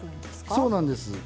そうなんです。